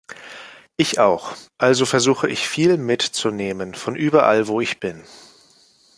Ich auch, also versuche ich, viel mitzunehmen von überall, wo ich bin.